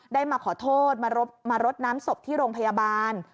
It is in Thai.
ได้มาขอโทษมารดน้ำศพที่โรงพยาบาล